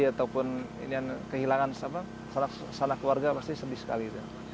ataupun kehilangan salah keluarga pasti sedih sekali